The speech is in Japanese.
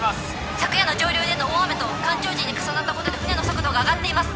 昨夜の上流での大雨と干潮時に重なったことで船の速度が上がっています